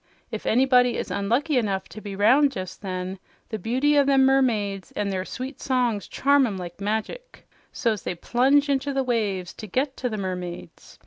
If anybody is unlucky enough to be 'round jes' then, the beauty o' them mermaids an' their sweet songs charm 'em like magic; so's they plunge into the waves to get to the mermaids.